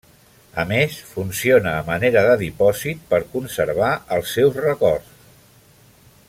A més, funciona a manera de dipòsit per conservar els seus records.